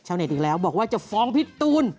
เน็ตอีกแล้วบอกว่าจะฟ้องพี่ตูน